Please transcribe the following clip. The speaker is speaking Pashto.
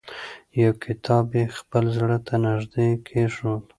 یو کتاب یې خپل زړه ته نږدې کېښود.